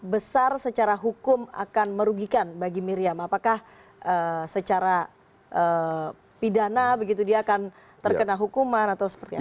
besar secara hukum akan merugikan bagi miriam apakah secara pidana begitu dia akan terkena hukuman atau seperti apa